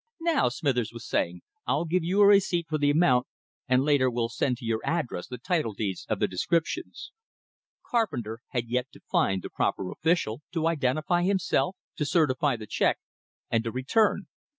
"Now," Smithers was saying, "I'll give you a receipt for the amount, and later will send to your address the title deeds of the descriptions." Carpenter had yet to find the proper official, to identify himself, to certify the check, and to return.